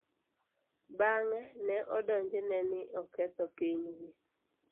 Bang'e, ne odonjne ni oketho pinygi.